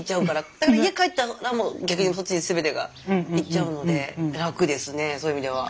だから家帰ったら逆にそっちに全てがいっちゃうので楽ですねそういう意味では。